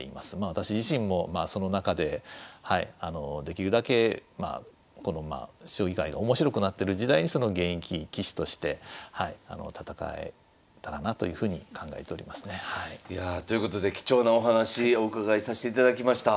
私自身もその中でできるだけこの将棋界が面白くなってる時代に現役棋士として戦えたらなというふうに考えておりますね。ということで貴重なお話お伺いさしていただきました。